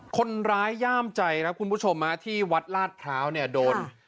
คนร้ายย่ามใจนะครับคุณผู้ชมฮะที่วัดลาดเท้าเนี่ยโดน